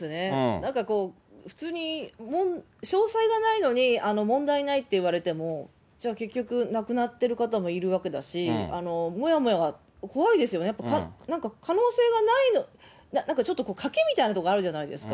なんかこう、普通に詳細がないのに問題ないって言われても、それは結局、亡くなってる方もいるわけだし、もやもやが、怖いですよね、やっぱ可能性はない、なんかちょっと賭けみたいなところあるじゃないですか。